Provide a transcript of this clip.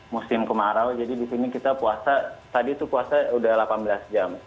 musim kemarau jadi di sini kita puasa tadi tuh puasa udah delapan belas jam